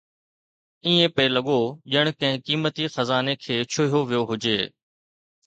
ائين پئي لڳو ڄڻ ڪنهن قيمتي خزاني کي ڇهيو ويو هجي